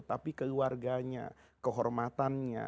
tapi keluarganya kehormatannya